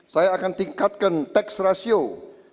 saya akan tingkatkan teks rasional